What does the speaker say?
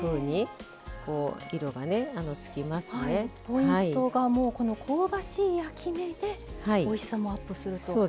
ポイントがこの香ばしい焼き目でおいしさもアップすると。